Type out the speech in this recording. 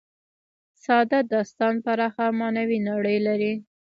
ساده داستان پراخه معنوي نړۍ لري.